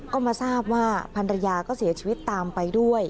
ก็มาทราบว่าพันรยาก็เสียชีวิตตามไปด้วย